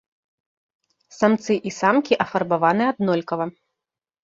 Самцы і самкі афарбаваны аднолькава.